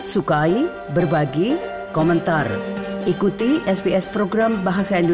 selamat siang terima kasih